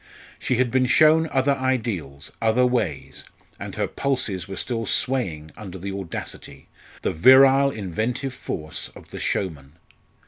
She had been shown other ideals other ways and her pulses were still swaying under the audacity the virile inventive force of the showman.